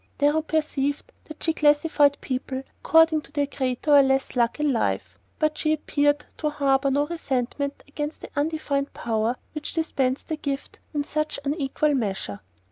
Darrow perceived that she classified people according to their greater or less "luck" in life, but she appeared to harbour no resentment against the undefined power which dispensed the gift in such unequal measure.